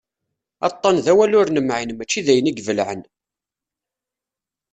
Aṭṭan d awal ur nemɛin mačči d ayen i ibelɛen.